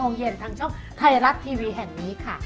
โมงเย็นทางช่องไทยรัฐทีวีแห่งนี้ค่ะ